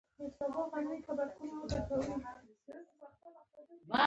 غوا د اوبو څنډې ته ځي.